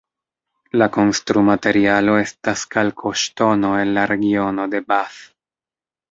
La konstrumaterialo estas kalkoŝtono el la regiono de Bath.